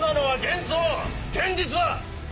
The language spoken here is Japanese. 現実は！